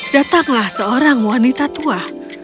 datanglah seorang wanita tua